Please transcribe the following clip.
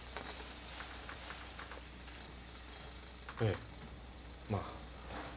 ええまあ。